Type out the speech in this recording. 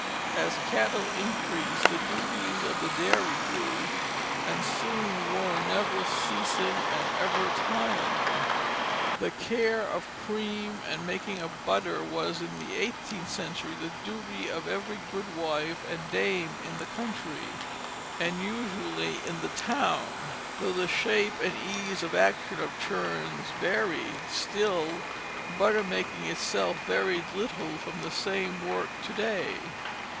As cattle increased the duties of the dairy grew, and soon were never ceasing and ever tiring. The care of cream and making of butter was in the eighteenth century the duty of every good wife and dame in the country, and usually in the town. Though the shape and ease of action of churns varied, still butter making itself varied little from the same work to day.